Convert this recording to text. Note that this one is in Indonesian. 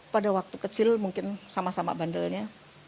pada waktu kecil mungkin sama sama bandelnya